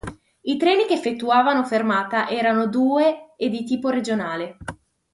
I treni che effettuavano fermata erano due e di tipo regionale.